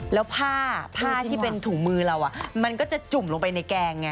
แล้วผ้าผ้าที่เป็นถุงมือเรามันก็จะจุ่มลงไปในแกงไง